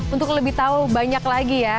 untuk lebih tahu banyak lagi ya